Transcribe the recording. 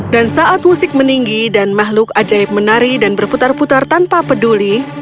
dan saat musik meninggi dan makhluk ajaib menari dan berputar putar tanpa peduli